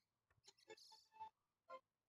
ambako kiongozi mkuu wa upinzani wa chama cha